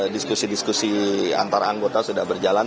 diskusi diskusi antara anggota sudah berjalan